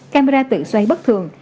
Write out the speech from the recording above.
camera tự xoay bất thường